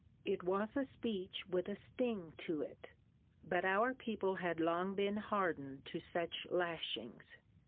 It was a speech with a sting to it, but our people had long been hardened to such lashings.